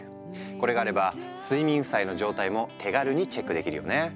これがあれば睡眠負債の状態も手軽にチェックできるよね。